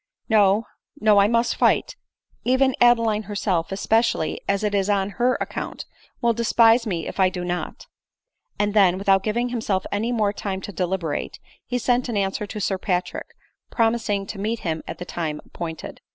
No, no ; I must fight ; even Adeline herself, especially as it is on her account, will despise me if I do not ;" and then, without giving himself any more time to deliberate, he sent an answer to Sir Patrick, promising to meet him at the time appointed.